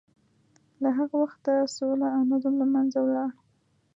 له هغه وخته سوله او نظم له منځه ولاړ.